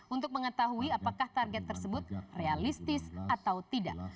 untuk mengetahui apakah target tersebut realistis atau tidak